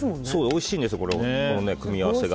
おいしいんですこの組み合わせが。